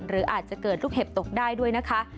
หรืออาจจะเกิดลูกเห็บตกได้ด้วยนะคะ